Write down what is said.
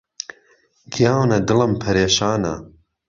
گیانە دڵم پەرێشانە